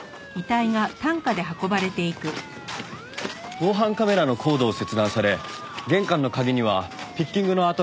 防犯カメラのコードを切断され玄関の鍵にはピッキングの跡がありました。